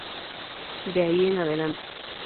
De ahí en adelante.